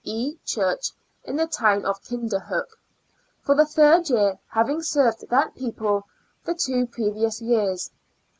E. Church in the town of Kinder hook, for the third year, having served that people the two previous years.